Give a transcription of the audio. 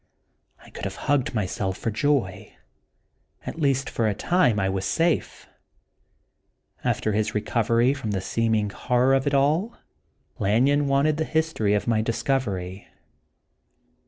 I could have hugged myself for joy. At least for a time I was safe. After his recovery from the seeming horror of it all, Lanyon wanted the history of my dis covery.